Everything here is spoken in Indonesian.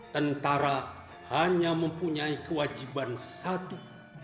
tentara hanya mempunyai kewajiban satu